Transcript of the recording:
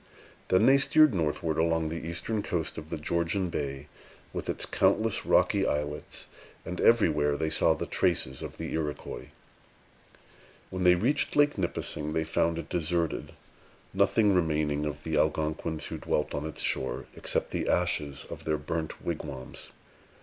Then they steered northward, along the eastern coast of the Georgian Bay, with its countless rocky islets; and everywhere they saw the traces of the Iroquois. When they reached Lake Nipissing, they found it deserted, nothing remaining of the Algonquins who dwelt on its shore, except the ashes of their burnt wigwams.